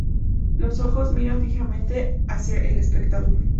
Los ojos miran fijamente hacia el espectador.